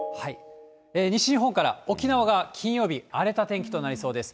西日本から、沖縄が金曜日荒れた天気となりそうです。